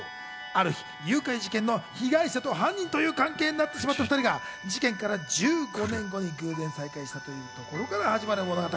ある日、誘拐事件の被害者と犯人という関係になってしまった２人が事件から１５年後に偶然再会したことから始まる物語。